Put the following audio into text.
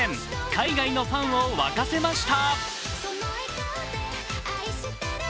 海外のファンを沸かせました。